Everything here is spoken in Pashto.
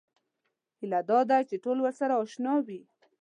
هیله دا ده چې ټول ورسره اشنا وي.